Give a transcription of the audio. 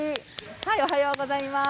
おはようございます。